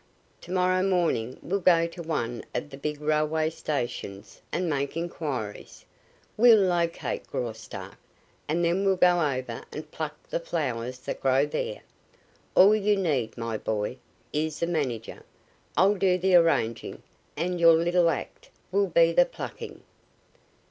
To morrow morning we will go to one of the big railway stations and make inquiries. We'll locate Graustark and then we'll go over and pluck the flower that grows there. All you need, my boy, is a manager. I'll do the arranging, and your little act will be the plucking."